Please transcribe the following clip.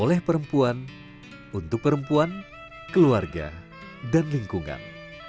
oleh perempuan untuk perempuan keluarga dan lingkungan